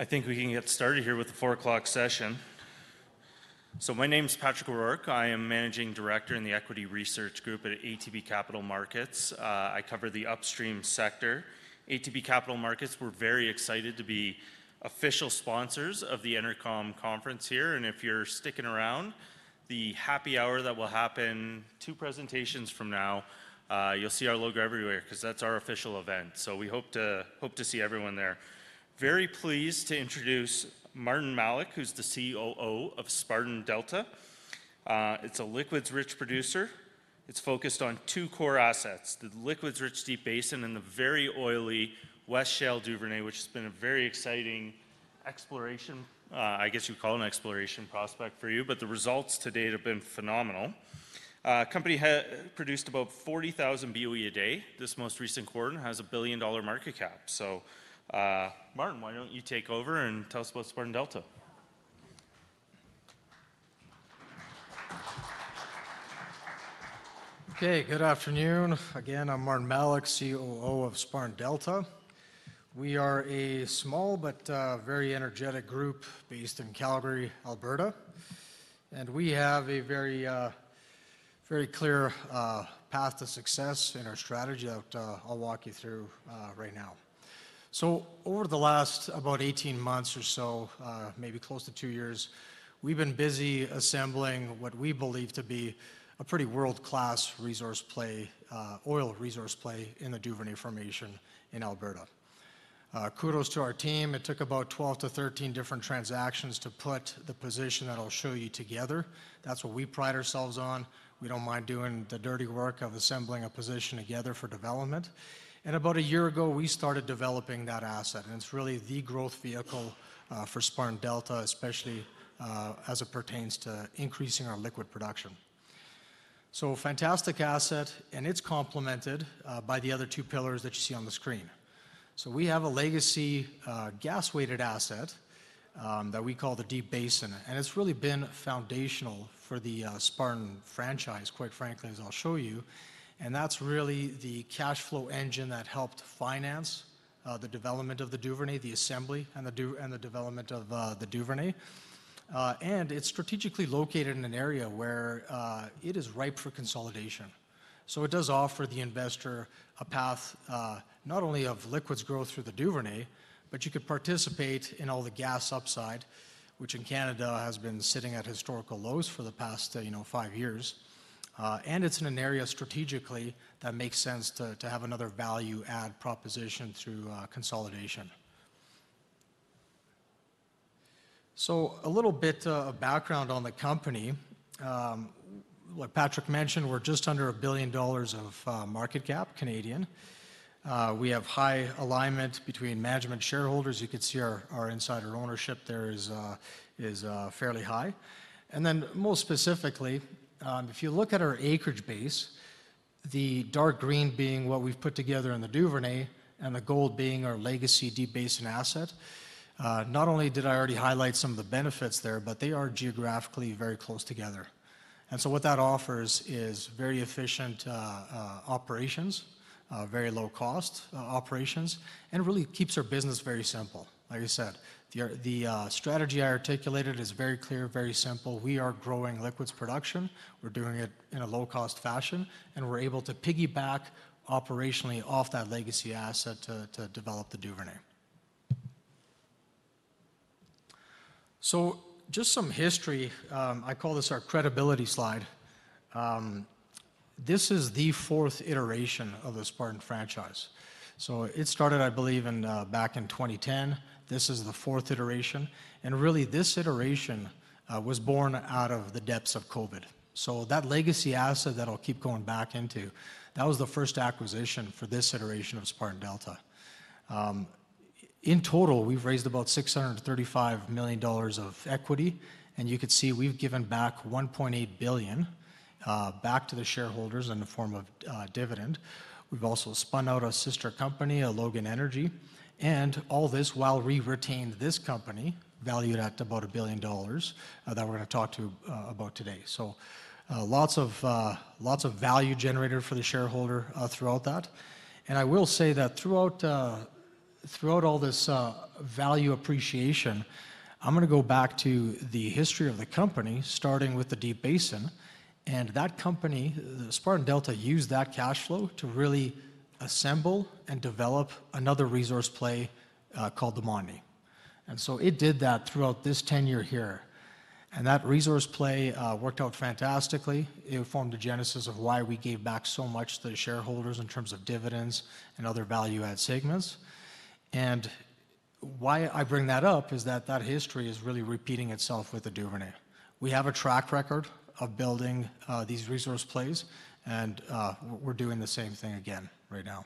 I think we can get started here with the 4:00 P.M. session. My name is Patrick O'Rourke. I am Managing Director in the Equity Research Group at ATB Capital Markets. I cover the upstream sector. ATB Capital Markets, we're very excited to be official sponsors of the Intercom Conference here. If you're sticking around the happy hour that will happen two presentations from now, you'll see our logo everywhere because that's our official event. We hope to see everyone there. Very pleased to introduce Martin Malek, who's the COO of Spartan Delta. It's a liquids-rich producer. It's focused on two core assets: the liquids-rich Deep Basin and the very oily shale Duvernay, which has been a very exciting exploration. I guess you'd call it an exploration prospect for you, but the results to date have been phenomenal. The company has produced about 40,000 bbl of oil equivalent a day. This most recent quarter has a $1 billion market capitalization. Martin, why don't you take over and tell us about Spartan Delta. Okay, good afternoon. Again, I'm Martin Malek, COO of Spartan Delta. We are a small but very energetic group based in Calgary, Alberta, and we have a very clear path to success in our strategy that I'll walk you through right now. Over the last about 18 months or so, maybe close to two years, we've been busy assembling what we believe to be a pretty world-class oil resource play in the Duvernay Formation in Alberta. Kudos to our team. It took about 12-13 different transactions to put the position that I'll show you together. That's what we pride ourselves on. We don't mind doing the dirty work of assembling a position together for development. About a year ago, we started developing that asset, and it's really the growth vehicle for Spartan Delta, especially as it pertains to increasing our liquid production. A fantastic asset, and it's complemented by the other two pillars that you see on the screen. We have a legacy gas-weighted asset that we call the Deep Basin, and it's really been foundational for the Spartan franchise, quite frankly, as I'll show you. That's really the cash flow engine that helped finance the development of the Duvernay, the assembly, and the development of the Duvernay. It's strategically located in an area where it is ripe for consolidation. It does offer the investor a path not only of liquids growth through the Duvernay, but you could participate in all the gas upside, which in Canada has been sitting at historical lows for the past five years. It's in an area strategically that makes sense to have another value-add proposition through consolidation. A little bit of background on the company. Like Patrick mentioned, we're just under $1 billion of market cap, Canadian. We have high alignment between management and shareholders. You can see our insider ownership there is fairly high. Most specifically, if you look at our acreage base, the dark green being what we've put together in the Duvernay and the gold being our legacy Deep Basin asset, not only did I already highlight some of the benefits there, but they are geographically very close together. What that offers is very efficient operations, very low-cost operations, and really keeps our business very simple. Like I said, the strategy I articulated is very clear, very simple. We are growing liquids production. We're doing it in a low-cost fashion, and we're able to piggyback operationally off that legacy asset to develop the Duvernay. Just some history. I call this our credibility slide. This is the fourth iteration of the Spartan franchise. It started, I believe, back in 2010. This is the fourth iteration. Really, this iteration was born out of the depths of COVID. That legacy asset that I'll keep going back into, that was the first acquisition for this iteration of Spartan Delta. In total, we've raised about $635 million of equity, and you can see we've given back $1.8 billion back to the shareholders in the form of dividend. We've also spun out a sister company, Logan Energy, and all this while we retained this company valued at about $1 billion that we're going to talk about today. Lots of value generated for the shareholder throughout that. I will say that throughout all this value appreciation, I'm going to go back to the history of the company, starting with the Deep Basin. That company, Spartan Delta, used that cash flow to really assemble and develop another resource play called the Montney. It did that throughout this tenure here. That resource play worked out fantastically. It formed the genesis of why we gave back so much to the shareholders in terms of dividends and other value-add segments. Why I bring that up is that that history is really repeating itself with the Duvernay. We have a track record of building these resource plays, and we're doing the same thing again right now.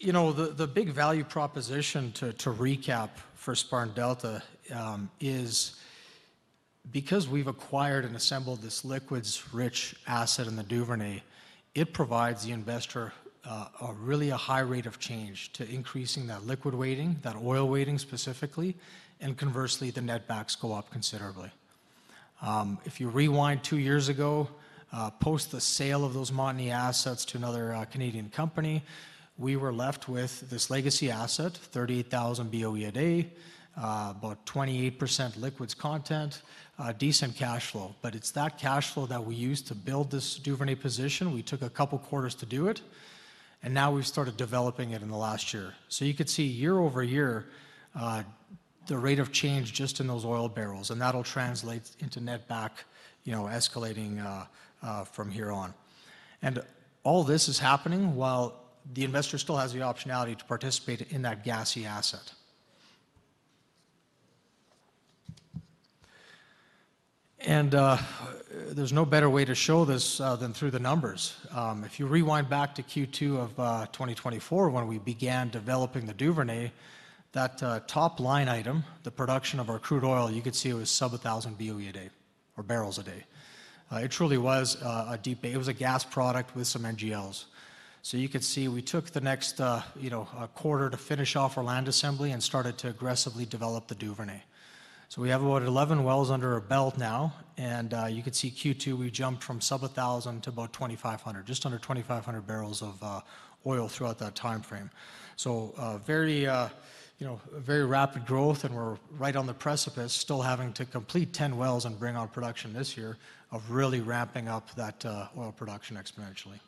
The big value proposition to recap for Spartan Delta is because we've acquired and assembled this liquids-rich asset in the Duvernay, it provides the investor really a high rate of change to increasing that liquid weighting, that oil weighting specifically, and conversely, the net backs go up considerably. If you rewind two years ago, post the sale of those Montney assets to another Canadian company, we were left with this legacy asset, 38,000 BOE a day, about 28% liquids content, decent cash flow. It's that cash flow that we used to build this Duvernay position. We took a couple of quarters to do it, and now we've started developing it in the last year. You can see year over year the rate of change just in those oil barrels, and that'll translate into net back escalating from here on. All this is happening while the investor still has the optionality to participate in that gassy asset. There is no better way to show this than through the numbers. If you rewind back to Q2 of 2024, when we began developing the Duvernay, that top line item, the production of our crude oil, you could see it was sub 1,000 BOE a day or barrels a day. It truly was a deep base. It was a gas product with some NGLs. You could see we took the next quarter to finish off our land assembly and started to aggressively develop the Duvernay. We have about 11 wells under our belt now, and you could see Q2, we jumped from sub 1,000 to about 2,500, just under 2,500 bbl of oil throughout that timeframe. Very rapid growth, and we're right on the precipice, still having to complete 10 wells and bring on production this year of really ramping up that oil production exponentially.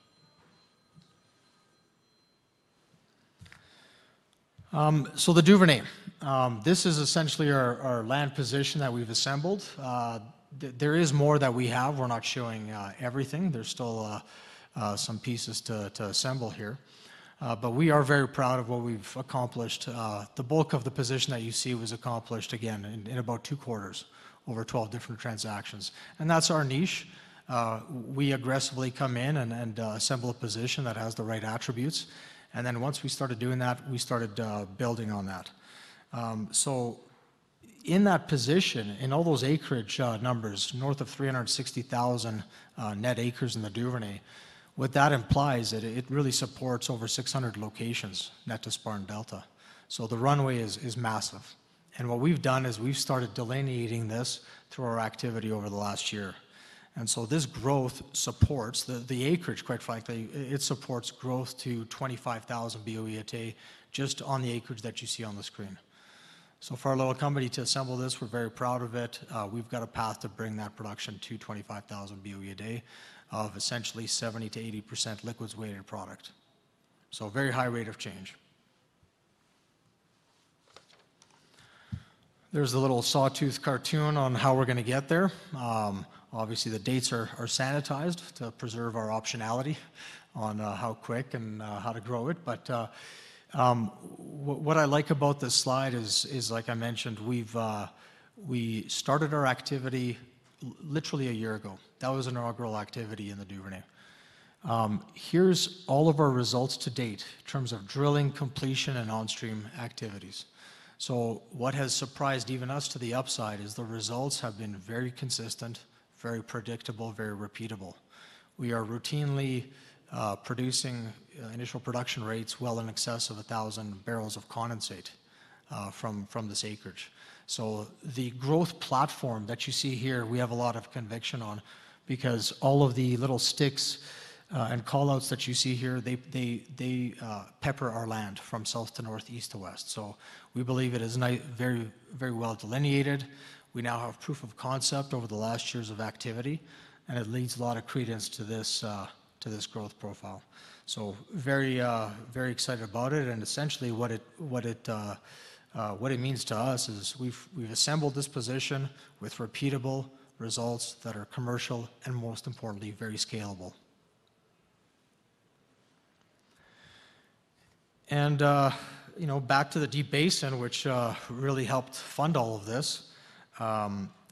The Duvernay, this is essentially our land position that we've assembled. There is more that we have. We're not showing everything. There are still some pieces to assemble here. We are very proud of what we've accomplished. The bulk of the position that you see was accomplished, again, in about two quarters, over 12 different transactions. That's our niche. We aggressively come in and assemble a position that has the right attributes. Once we started doing that, we started building on that. In that position, in all those acreage numbers, north of 360,000 net acres in the Duvernay, what that implies is that it really supports over 600 locations net to Spartan Delta. The runway is massive. What we've done is we've started delineating this through our activity over the last year. This growth supports the acreage, quite frankly. It supports growth to 25,000 BOE a day, just on the acreage that you see on the screen. For our little company to assemble this, we're very proud of it. We've got a path to bring that production to 25,000 BOE a day of essentially 70%-80% liquids-weighted product. A very high rate of change. There's a little sawtooth cartoon on how we're going to get there. Obviously, the dates are sanitized to preserve our optionality on how quick and how to grow it. What I like about this slide is, like I mentioned, we started our activity literally a year ago. That was an inaugural activity in the Duvernay. Here are all of our results to date in terms of drilling, completion, and on-stream activities. What has surprised even us to the upside is the results have been very consistent, very predictable, very repeatable. We are routinely producing initial production rates well in excess of 1,000 bbl of condensate from this acreage. The growth platform that you see here, we have a lot of conviction on because all of the little sticks and callouts that you see here, they pepper our land from south to north, east to west. We believe it is very, very well delineated. We now have proof of concept over the last years of activity, and it leads a lot of credence to this growth profile. Very, very excited about it. Essentially, what it means to us is we've assembled this position with repeatable results that are commercial and, most importantly, very scalable. Back to the Deep Basin, which really helped fund all of this.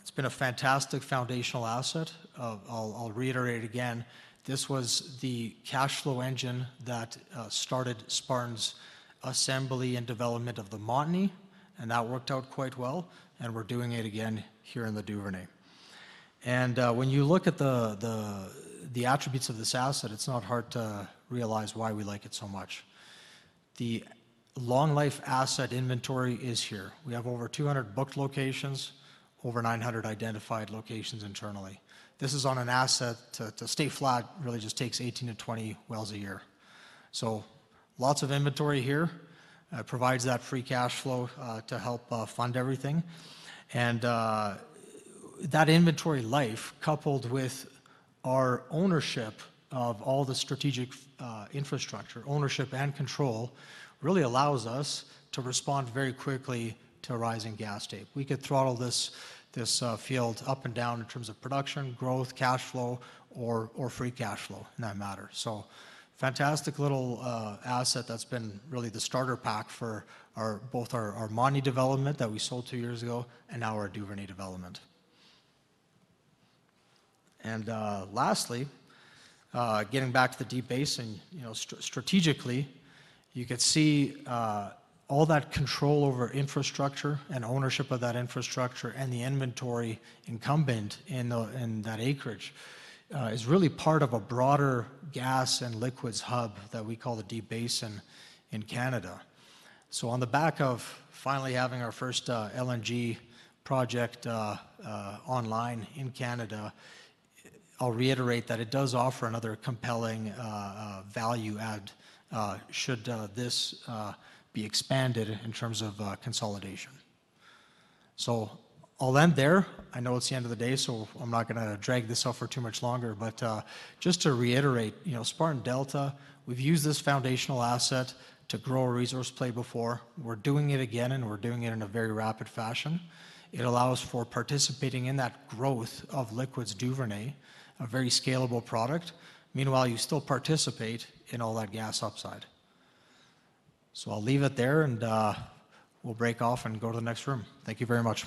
It's been a fantastic foundational asset. I'll reiterate again, this was the cash flow engine that started Spartan's assembly and development of the Montney, and that worked out quite well. We're doing it again here in the Duvernay. When you look at the attributes of this asset, it's not hard to realize why we like it so much. The long-life asset inventory is here. We have over 200 booked locations, over 900 identified locations internally. This is on an asset to stay flat. It really just takes 18-20 wells a year. Lots of inventory here. It provides that free cash flow to help fund everything. That inventory life, coupled with our ownership of all the strategic infrastructure, ownership and control, really allows us to respond very quickly to a rising gas state. We could throttle this field up and down in terms of production, growth, cash flow, or free cash flow in that matter. Fantastic little asset that's been really the starter pack for both our Montney development that we sold two years ago and now our Duvernay development. Lastly, getting back to the Deep Basin, strategically, you can see all that control over infrastructure and ownership of that infrastructure and the inventory incumbent in that acreage is really part of a broader gas and liquids hub that we call the Deep Basin in Canada. On the back of finally having our first LNG project online in Canada, I'll reiterate that it does offer another compelling value add should this be expanded in terms of consolidation. I'll end there. I know it's the end of the day, so I'm not going to drag this off for too much longer. Just to reiterate, Spartan Delta, we've used this foundational asset to grow a resource play before. We're doing it again, and we're doing it in a very rapid fashion. It allows for participating in that growth of liquids-rich Duvernay, a very scalable product. Meanwhile, you still participate in all that gas upside. I'll leave it there, and we'll break off and go to the next room. Thank you very much.